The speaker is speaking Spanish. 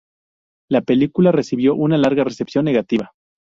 La película recibió una larga recepción negativa.